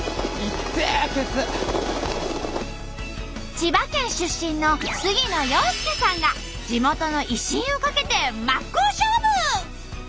千葉県出身の杉野遥亮さんが地元の威信を懸けて真っ向勝負！